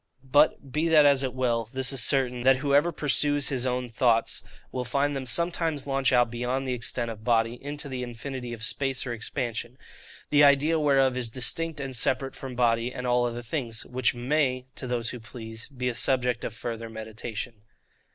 But, be that as it will, this is certain, that whoever pursues his own thoughts, will find them sometimes launch out beyond the extent of body, into the infinity of space or expansion; the idea whereof is distinct and separate from body and all other things: which may, (to those who please,) be a subject of further meditation.